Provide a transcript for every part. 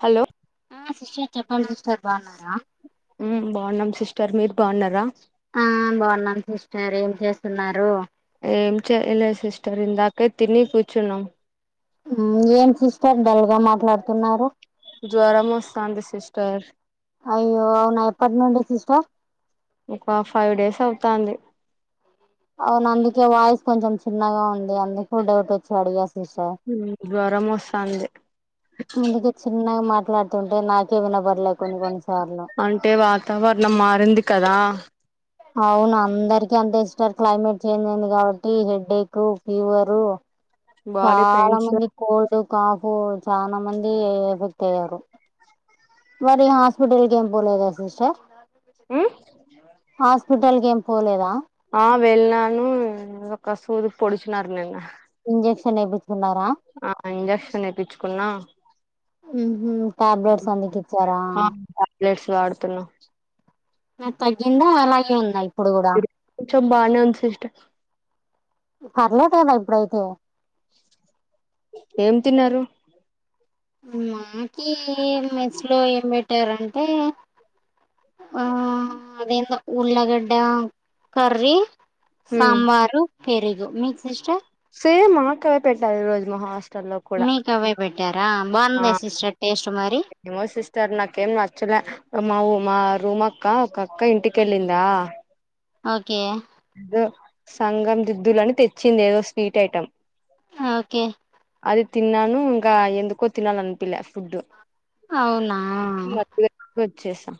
Hello ఆ sister చెప్పండి sister బావున్నారా! ఊ బావున్నాం. సిస్టర్ మీరు బావున్నారా! ఆ బావున్నాను సిస్టర్ ఏం జేస్తున్నారు. ఏం చెయలేదు సిస్టర్ ఇందాకే తిని కూర్చున్నాం. ఊ ఏం సిస్టర్ డల్ గా మాట్లాడుతున్నారు. జ్వరం వోస్తంది సిస్టర్ అయ్యో అవునా! ఎప్పటి నుండి సిస్టర్ ఒక ఫైవ్ డేస్ అవుతాంది. అవును అందుకే వాయిస్ కొంచెం చిన్నగా ఉంది. అందుకు డౌట్ వోచ్చి అడిగా సిస్టర్ ఉ జ్వరం ఒస్తాంధీ. అందుకే చిన్నగ మాట్లాడుతుంటే నాకే వినపడలే కొన్ని కొన్నిసార్లు. అంటే వాతావరణం మారింది కదా అవును అందరికిీ అంత ఇష్టారు క్లైమేట్ చేంజ్ అయింది కాబట్టి హెడ్ ఎక్ ఫీవరు బాడీ చాలా పెయిన్స్ మంది కోల్డ్ కాఫ్ చాలా మంది ఎఫెక్ట్ అయ్యారు మరి హాస్పిటల్ కి ఏం పోలేదా సిస్టర్ ఆమ్ హాస్పిటల్ కి ఏం పోలేదా ఆ వెళ్లాను ఒక సూదు పొడుచినారు నిన్న ఇంజెక్షన్ ఇపించుకున్నారా ఆ ఇంజక్షన్ నేప్పించుకున్నా ఉహుమ్ ట్యాబ్లెట్స్ అందుకి ఇచ్చారా ట్యాబ్లెట్స్ వాడుతున్నాం మరి తగ్గిందా అలాగే ఉందా ఇప్పుడు కూడా కొంచెం బాగానే ఉంది సిస్టర్ పర్లేదు కదా ఇప్పుడైతే ఏం తిన్నారు మాకి మెస్లో ఏం పెట్టారంటే ఆ అదేందో ఉళ్లగడ్డ కర్రి ఉమ్ సాంబారు పెరుగు మీక్ సిస్టర్ సేమ్ మాక్కవ పెట్టాల రోజు మహాస్ మీకు అవే పెట్టారా బాగుందా ఆ సిస్టర్ టేస్ట్ మరి ఏమో సిస్టర్ నాకేం నచ్చలే మా ఊ మా రూమ్ అక్క ఒక అక్క ఇంటికి వెళ్ళిందా ఓకే అదే సంగం దిద్దులని తెచ్చింది ఏదో స్వీట్ ఐటమ్ ఓకే అది తిన్నాను ఇంకా ఎందుకో తినాలి అనిపిలే ఫుడ్ అవునా వచ్చేసా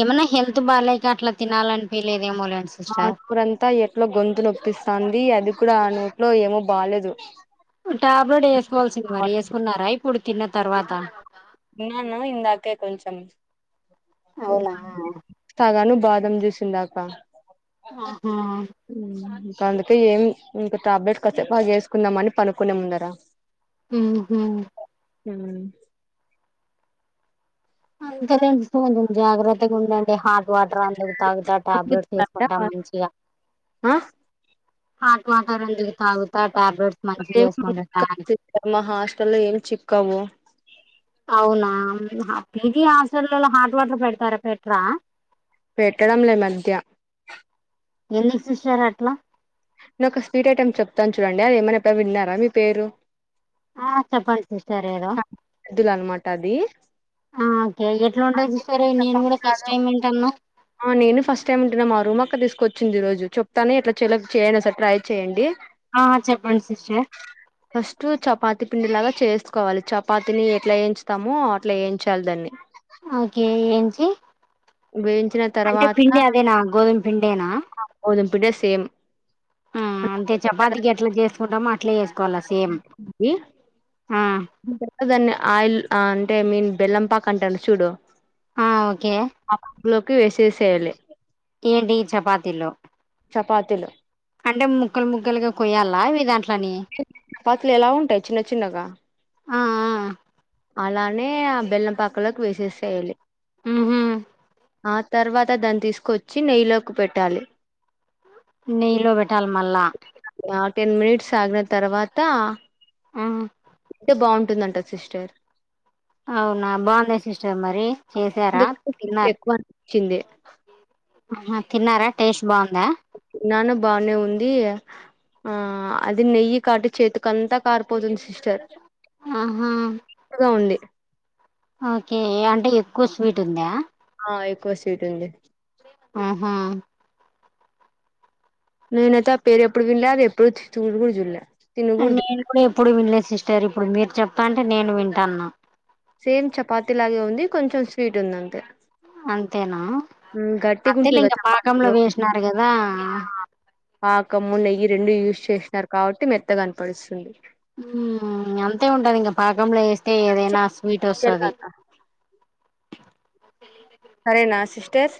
ఏమన్నా హెల్త్ బాలేక అట్లా తినాలని పిలేదు ఏమోలె ఆనేసి ఆ నూరంతా ఎట్లా గొంతు నొప్పిస్తుంది అది కూడా ఆ నూట్లో ఏమో బాలేదు ట్యాబ్లెట్ వేసుకోవాల్సింది మరి వేసుకున్నారా ఇప్పుడు తిన్న తర్వాత ఉన్నాను ఇందాక కొంచంచం అవునా సగాను బాదం చేసిందాకా ఆహా ఇంకా అందుకే ఏం ఇంకా టాబ్లెట్ కస్తే బాగా వేసుకుందాం అని పనుకునే ముందరా ఉహుమ్ హుమ్ అంత తెల్సిపోయింది జాగ్రత్తగా ఉండండి అంటే హాట్ వాటర్ అందుకు తాగుతా టాబ్లెట్ తీసుకుంటా మంచిగా హాట్ వాటర్ ఎందుకు తాగుతా ట్యాబ్లెట్స్ మంచిగా వేసుకుంటా ట్యాన్ కాని మా హాస్టల్లో ఏం చిక్కావు అవునా పిజి హాస్టల్ లలో హాట్ వాటర్ పెడతారే పెట్రా పెట్టడం లే మధ్య ఎందుకు సిస్టర్ అట్లా నేను ఒక స్వీట్ ఐటమ్ చెప్తాను చూడండి అది ఏమన్న ఎప్పుడన్న విన్నార మీ పేరు ఆ చెప్పండి సిస్టర్ ఏదో ఎద్దులు అనమాట అది ఆ ఓకే ఎట్లుంటది అది సిస్టర్ నేను చపాతి కూడా ఫస్ట్ లాగా టైమ్ ఇంటన్న ఆ నేను ఫస్ట్ టైమ్ విన్టున్న మా రూమ్ అక్క తీసుకొచ్చింది ఈ రోజు చెప్తానే ఎట్లాచెయ్యాలో చేయలి ఒకసారి ట్రై చేయండి ఆ చెప్పండి సిస్టర్ ఫస్ట్ చపాతి పిండిలాగా చేసుకోవాలి చపాతిని ఎట్లా వేయించతామో అట్లా ఏంచాలి దాన్ని ఓకే ఏంచి వేయించిన అంటే పిండి అదేనా గోధుమ పిండేనా ఆ గోధుమ్ పిండే సేమ్ ఆ అంతే చపాతికి ఎట్లా చేసుకుంటామో అట్లే చేసుకోవాలా సేమ్ మ్మ్ ఇంకెట్ట దాన్ని ఆయిల్ అంటే మీన్ బెల్లంపాక్ అంటారు చూడు ఆ ఓకే ఆ కప్పులోకి వేసేసేయాలి ఏంటి చపాతీలో చపాతీలు అంటే ముక్కలు ముక్కలుగా కొయ్యాలా అవి దాంట్లోని పాతిలు ఎలా ఉంటాయి చిన్న చిన్నగా ఆ ఆ అలానే ఆ బెల్లం పాకలోకి వేసేసేయాలి మ్మ్ హ్మ్ ఆ తర్వాత దాన్ని తీసుకొచ్చి నెయ్యిలోకి పెట్టాలి నెయ్యిలో వెట్టాల మళ్ళా ఆ టెన్ మినిట్స్ ఆగిన తర్వాత ఆ టే బాగుంటుందంట సిస్టర్ అవునా బావుందా సిస్టర్ మరి చేసారా దుకు తిన్నారు ఎక్కువ అనిపిచ్చింది ఆహా తిన్నారా టేస్ట్ బావుందా నాన్న బానే ఉంది ఆ అది నెయ్యి కాటి చేతికి అంతా కారిపోతుంది సిస్టర్ ఆహా త్తగ ఉంది ఓకే అంటే ఎక్కువ స్వీట్ ఉందా ఆ ఎక్కువ స్వీట్ ఉంది ఉ హ్మ్ నేనైతే ఆ పేరు ఎప్పుడు విన్లే అది ఎప్పుడు చూడ్ను కూడ చూడ్ల నేను కూడా ఎప్పుడు వినలేదు సిస్టర్ ఇప్పుడు మీరు చెప్తాంటే నేను వింటన్న సేమ్ చపాతి లాగే ఉంది కొంచెం స్వీట్ ఉంది అంతే అంతేనా ఉమ్, గట్టిగా అంతే లే ఉంటుంది కదా ఇంక పాకంలో చపాతీలో వేసినారు కదా పాకము నెయ్యి రెండు యూజ్ చేసినారు కాబట్టి మెత్తగనపడుస్తుంది మ్మ్ అంతే ఉంటది ఇంకా పాకంలో వేస్తే ఏదైనా స్వీట్ వస్తది చెప్పించుకెళ్ళాలా? సరేనా సిస్టర్స్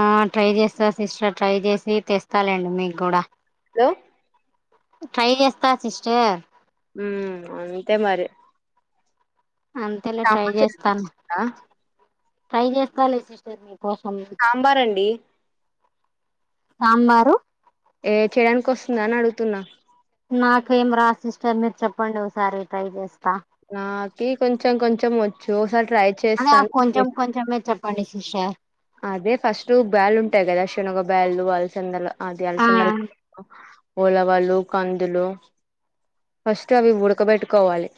ఆ ట్రై చేస్తా సిస్టర్ ట్రై చేసి తెస్తలెండి మీకు కూడా హలో ట్రై చేస్తా సిస్టర్ మ్మ్ అంతే మరి అంతేలే ట్రై సాంబార్ చేస్తాను చేయాలా? ట్రై చేస్తాలే సిస్టర్ మీకోసం సాంబార్ అండి సాంబారు ఏ చేయడానికి వస్తుందా అని అడుగుతున్నా నాకేం రాదు సిస్టర్ మీరు చెప్పండి ఒకసారి ట్రై జేస్తా నాకి కొంచెం కొంచెం వచ్చు ఒకసారి ట్రై అదె ఆ చేస్తాను కొంచెం కొంచెమే చెప్పండి సిస్టర్ అదే ఫస్ట్ బ్యాల్ ఉంటయి గదా శనగ బ్యాళ్ళు, అలసందల అది ఆ అలసందల ళ్ళు ఉలవలు, కందులు ఫస్ట్ అవి ఉడకబెట్టుకోవాలి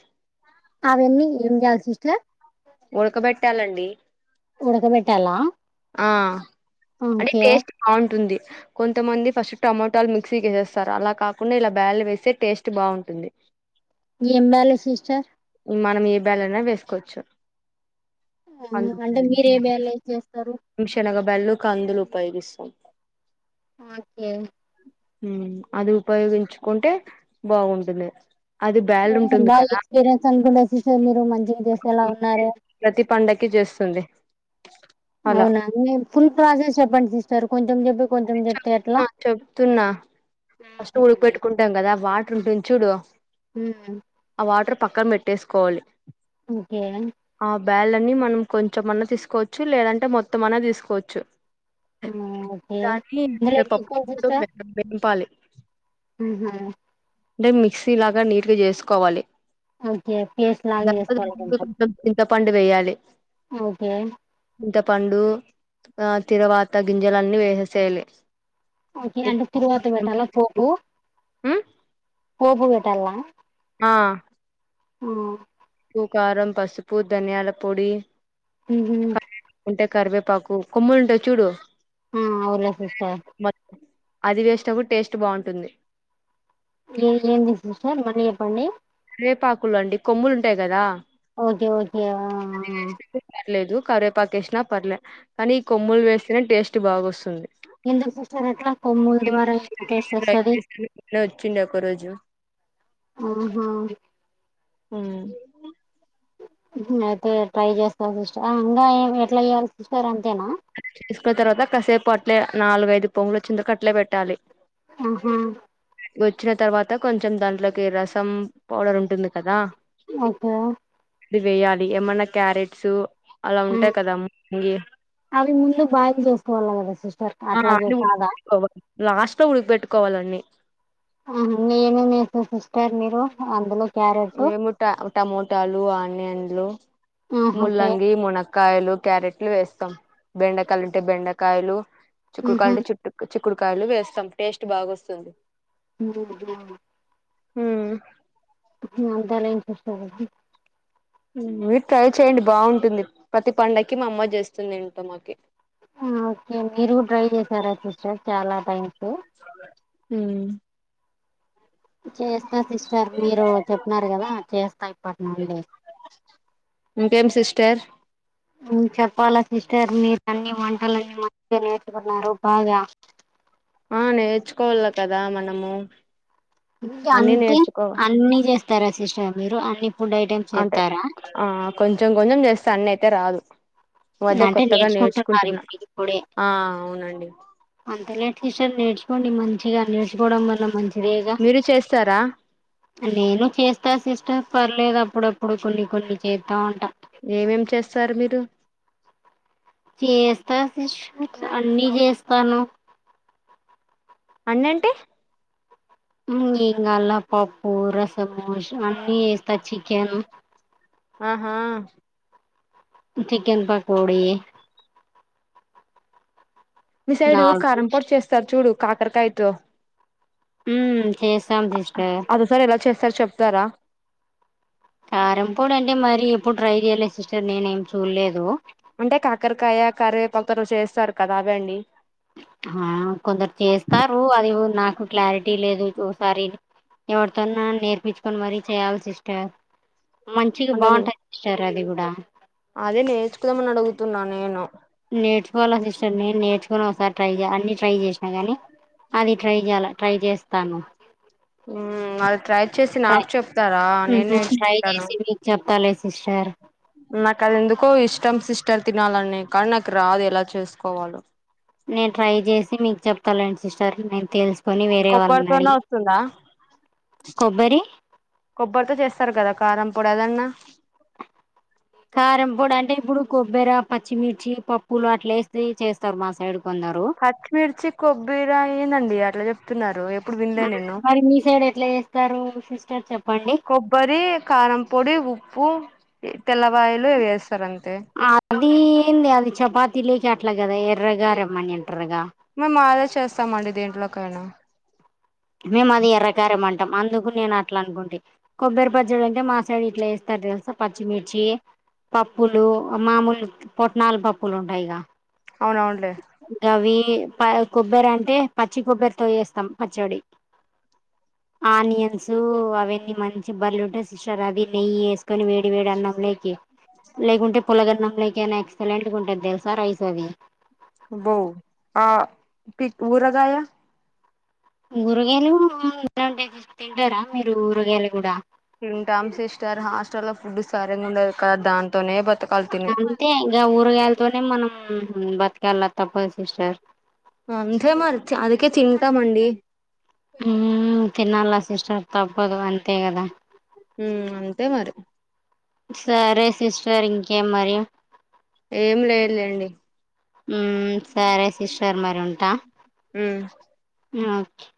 అవన్నీ ఏం చేయాలి సిస్టర్ ఉడకబెట్టాలండి ఉడకబెట్టాలా ఆ అంటే ఓకే టేస్ట్ బావుంటుంది కొంతమంది ఫస్ట్ టమోటాలు మిక్సీ కేసేస్తారు అలా కాకుండా ఇలా బ్యాడ్లు వేసే టేస్ట్ బావుంటుంది ఏం బ్యాడ్లు సిస్టర్ మనం ఏ బ్యాడ్లయినా వేసుకోవచ్చు అంటే మీరే బ్యాడ్లు యూస్ చేస్తరు మ్ శనగ బ్యాడ్లు, కందులు ఉపయోగిస్తాం ఓకే ఉమ్ అది ఉపయోగించుకుంటే బావుంటుంది ఆ బాగ ఎక్స్పీరియన్స్ అనుకుంట సిస్టర్ మీరు మంచిగ చేసేలా ఉన్నారు ప్రతి పండక్కి చేస్తుంది అలా అవునా మీర్ ఫుల్ ప్రాసెస్ చెప్పండి సిస్టర్ కొంచెం జెప్పి కొంచెం జెప్తే ఎట్లా ఆ చెప్తున్నా ఆ ఫస్ట్ ఉడక చెప్పండి పెట్టుకుంటాం కదా అ వాటర్ ఉంటుంది చూడు ఉమ్ ఆ వాటర్ పక్కన పెట్టేసుకోవాలి ఓకే ఆ బ్యాడ్న్నీ మనం కొంచెమన్న తీసుకోవచ్చు లేదంటే మొత్తంమన్న తీసుకోవచ్చు ఆ దాన్ని ఇందులో పె పప్పు తీసుకోండి [inaudible] తో మే [inaudible] పాలి ఉమ్ హ్ అంటే మిక్సీ లాగా నీట్గా జేసుకోవాలి ఓకే పేస్ట్ లాగా చేసుకోవాలి కొంచెం చింత పండు వేయాలి ఓకే చింత పండు ఆ తరువాత గింజలన్నీ వేసేసెయాలి ఓకే అండి తురువాత పెట్టలా పోపూ ఆ పోపు బెట్టాల ఆ ఆ ప్పు, కారం, పసుపు, ధనియాల పొడి ఉహు ఉంటే కరివేపాకు కొమ్మలు ఉంటద్ చూడు ఆ అవున్లే సిస్టర్ అది వేస్టప్పుడు టేస్ట్ బాగుంటుంది ఎ ఏంది సిస్టర్ మల్లి చెప్పండి రేపాకులండి కొమ్ములు ఉంటాయి గదా ఓకె ఓకె ఆ ఆ! వేేస్తేనే పర్లేదు కరివేపాక వేసినా పర్లేదు కానీ ఈ కొమ్ములు వేస్తేనే టేస్ట్ బాగాస్తుంది ఎందుకు సిస్టర్ అట్ల కొమ్ముల ద్వారా టెస్ట్ ట్రై వస్తది చేశాను నిన్నే వచ్చిండే ఒక రోజు ఆహా ఊ అయితే ట్రై చేస్తావు సిస్టర్ ఆ ఇంకా ఏమీ ఎట్లా చెయాలి సిస్టర్ అంతేనా చేసుకున్న తర్వాత కాసేపు అట్లే నాలుగైదు పొంగులు వచ్చిందకు అట్లే పెట్టాలి ఉహు వచ్చిన తర్వాత కొంచెం దాంట్లోకి రసం పౌడర్ ఉంటుంది కదా అచ్చ ఇది వేయాలి ఏమన్నా క్యారెట్స్ అలా ఆ, ఉంటాయి కదా ముగి అవి ముందు బాయిల్డ్ చేసుకోవాలి కదా సిస్టర్ ఆ అట్లాగే [unintelligible] కాదా ట్టుకోవాలి లాస్ట్ లో ఉడకపెట్టుకోవాలండి అందులో ఏమేం ఏస్తారు సిస్టర్ మీరు అందులో క్యారెట్ మేము ట టమోటాలు ఆనియన్లు ఆహా, ఓకే ముల్లంగి మున కాయలు క్యారెట్లు వేస్తాం బెండకాయలు అంటే బెండకాయలు చుకుకాయలుంటే చుట్టు చిక్కుడుకాయలు వేస్తాం టేస్ట్ బాగాస్తుంది ఉ [unintelligible] ఊ అంతేలెండి సిస్టర్ ఇగ మీరు ట్రై చెయ్యడి బాగుంటుంది ప్రతి పండకి మా అమ్మ చేస్తుంది ఏంటో మాకి ఆ ఓకే మీరు కూడ ట్రై చేసారా సిస్టర్ చాలా థ్యాంక్స్ ఊ చేస్తా సిస్టర్ మీరు చెప్నరు కదా చేస్తా ఇప్పటి నుండి ఇంకేం సిస్టర్ ఉ చెప్పాలా సిస్టర్ మీరు అన్ని వంటలన్నీ మంచిగా నేర్చుకున్నారు బాగా ఆ నేర్చుకోవాల కదా మనము ఇకా అన్ని అంటే నేర్చుకో అన్ని చేస్తారా సిస్టర్ మీరు అన్ని ఫుడ్ ఐటెమ్ అంటే ఆ కొంచెం కొంచెం చేస్తే అన్ని అయితే రాదు ఈ మధ్య అంటే కొత్తగా నేర్చుకుంటున్నారు నేర్చుకుంటున్నా ఇప్పుడు ఆ అవునండి అంతలే టీచర్ నేర్చుకోండి మంచిగా నేర్చుకోవడం వల్ల మంచిదేగా మీరు చేస్తారా నేను చేస్తా సిస్టర్ పర్లేదు అప్పుడప్పుడు కొన్ని కొన్ని చేస్తా ఉంటా ఏమేం చేస్తారు మీరు చేస్తా సిస్టర్ అన్ని చేస్తాను అన్నంటె ఇం ఏంగాలా పప్పు రసమోష్ అన్నీ చేేస్తా చికెన్ ఆహా చికెన్ పకోడి మీ సైడు నాల్ కారం పొడి చేస్తారు చూడు కాకరకాయతో ఊ చేస్ అది ఓ సార్ ఎలా చేస్తారు చెప్తారా కారంపొడి అంటే మరి ఎప్పుడు ట్రై చెయ్యలే సిస్టర్ నేను ఏమి చూడలేదు అంటే కాకరకాయ కరవేపకతో చేస్తారు కదా అవే అండి ఆ కొందరు చేస్తారు అది ఉ నాకు క్లారిటీ లేదు చూసారి ఎవరితోన్నా నేర్పించుకొని మరి చేయాలి సిస్టర్ మంచిగా అంటే బాగుంటది సిస్టర్ అది కూడా అదే నేర్చుకుదామని అడుగుతున్నా నేను నేర్చుకోవాలా సిస్టర్ నేను నేర్చుకుని ఒకసారి ట్రై చేయ అన్ని ట్రై జేసినా కాని అది ట్రై జేయాల ట్రై జేస్తాను ఊమ్ అది ట్రై చేసి ట్రై నాకు చెప్తారా నేను ట్రై నేర్చుకుంటాను చేసి మీకు చెప్తాలే సిస్టర్ నాకదెందుకో ఇష్టం సిస్టర్ తినాలని కానీ నాకు రాదు ఎలా చేసుకోవాలో నేను ట్రై జేసి మీకు చెప్తాలెండి సిస్టర్ నేను తెల్స్ కొని వేరే కొబ్బరితోనే వాళ్ళనడిగి వస్తుందా కొబ్బరి కొబ్బరితో చేస్తారు కదా కారంపొడి అదన్నా క్యారం బొడంటే ఇప్పుడు కొబ్బర పచ్చిమిర్చి పప్పులు అట్లేసి చేస్తారు మా సైడు కొందరు పచ్చిమిర్చి కొబ్బిర ఏందండి అట్ల జెప్ తున్నారు ఎప్పుడు విన్ మరి మీ సైడ్ ఎట్ల జేస్తారు సిస్టర్ చెప్పండి బ్బరి కారంపొడి ఉప్పు తెల్లవాయలు ఇవేస్తరంతే ఆ అదీ ఏంది అది చపాతీ లేకి అట్ల గదా ఎర్రగారం అని అంట్రర్ గా మేమ్మాదే చేస్తామండి దేంట్లోకైనా మేమది ఎర్రకారమంటం అందుకు నేను అట్లనుకుంటి కొబ్బరి పచ్చడంటే మా సైడ్ ఇట్ల జేస్తరు తెలుసా పచ్చిమిర్చి పప్పులు మామూలు పొట్నాల్ పప్పులుంటాయి గ అవునవునులే గవి ప కొబ్బరంటే పచ్చి కొబ్బరితో జేస్తం పచ్చడి ఆనియన్సు అవన్నీ మంచి బలుంటయి సిస్టర్ అవి నెయ్యి ఏసుకొని వేడి వేడి అన్నాం లే కి లేకుంటే పులగన్నం లేకయినా ఎక్సలెంటుగుంటది తెలుసా రైస్ అది అబ్బో ఆ పిక్ ఊరగాయా ఊరగాయలు [unintelligible] తింటాడా మీరు ఊరగాయలు గూడా తింటాం సిస్టర్ హాస్టల్ లో ఫుడ్ సరింగుండదు కదా దాంతోనే బ అంతే ఇంగ ఊరుగాయళ్తోనే మనం బత్కాల తప్పదు సిస్టర్ అంతే మరి అంద్కే తింటామండి ఊమ్ తినాల సిస్టర్ తప్పదు అంతే గదా ఊమ్ అంతే మరి సరే సిస్టర్ ఇంకేం మరి ఏం లేద్ లెండి ఊ సరే సిస్టర్ మరుంటా ఉమ్ ఓకే